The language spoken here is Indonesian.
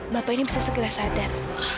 bapak ini bisa segera sadar